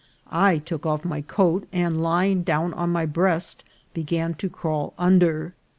I took off my coat, and, lying down on my breast, began to crawl under.